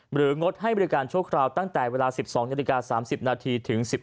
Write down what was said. หรืองดให้บริการโชคราวตั้งแต่เวลา๑๒นิวลาท๐๐๑๕นาที